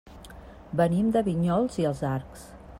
Venim de Vinyols i els Arcs.